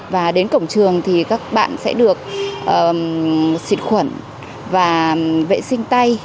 và đến cổng trường thì các bạn sẽ được xịt khuẩn và vệ sinh tay